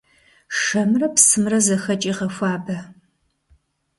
Шэмрэ псымрэ зэхэкӀи гъэхуабэ.